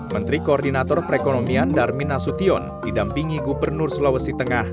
menteri koordinator perekonomian darmin nasution didampingi gubernur sulawesi tengah